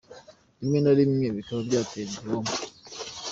Rimwe na rimwe bikaba byatera igihombo.